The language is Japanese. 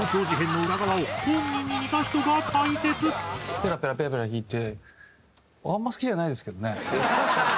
ペラペラペラペラ弾いてあんまり好きじゃないですけどね。